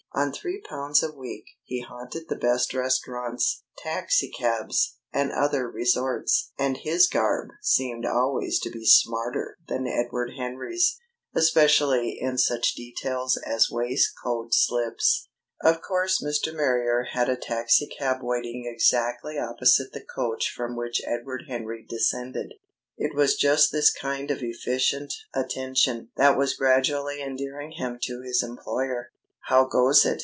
On three pounds a week he haunted the best restaurants, taxicabs, and other resorts, and his garb seemed always to be smarter than Edward Henry's, especially in such details as waistcoat slips. Of course Mr. Marrier had a taxicab waiting exactly opposite the coach from which Edward Henry descended. It was just this kind of efficient attention that was gradually endearing him to his employer. "How goes it?"